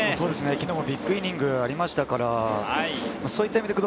昨日もビッグイニングがありましたから。